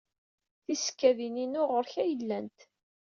Tisekkadin-inu ɣer-k ay llant.